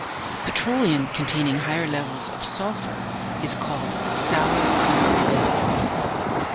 Petroleum containing higher levels of sulfur is called sour crude oil.